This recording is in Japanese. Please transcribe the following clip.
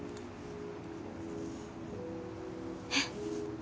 えっ？